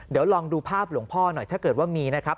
เดี๋ยวลองดูภาพหลวงพ่อหน่อยถ้าเกิดว่ามีนะครับ